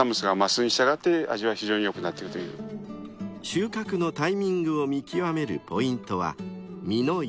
［収穫のタイミングを見極めるポイントは実の色つき］